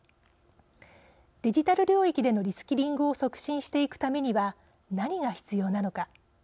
デジタル領域でのリスキングを促進していくためには何が必要なのか。